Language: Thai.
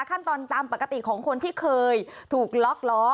ขั้นตอนตามปกติของคนที่เคยถูกล็อกล้อ